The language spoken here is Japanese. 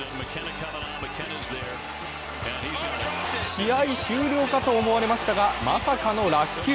試合終了かと思われましたがまさかの落球。